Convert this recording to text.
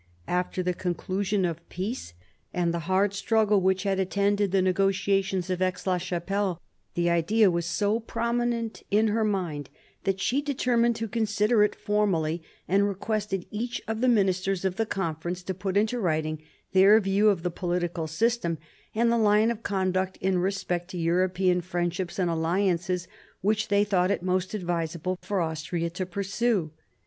After the conclusion of peace, and the hard struggle which had attended the negotiations at Aix la Chapelle, the idea was so pro minent in her mind that she determined to consider it formally, and requested each of the ministers of the Conference to put into writing their view of the political system, and the line of conduct in respect to European friendships and alliances which they thought it most advisable for Austria to pursue.